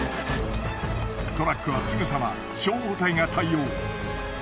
トラックはすぐさま消防隊が対応。